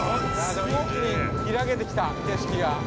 でも、一気に開けてきた、景色が。